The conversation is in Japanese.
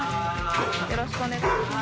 よろしくお願いします